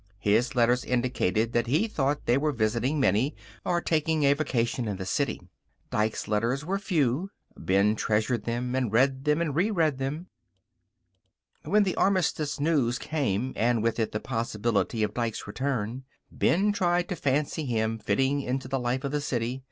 His letters indicated that he thought they were visiting Minnie, or taking a vacation in the city. Dike's letters were few. Ben treasured them, and read and reread them. When the Armistice news came, and with it the possibility of Dike's return, Ben tried to fancy him fitting into the life of the city.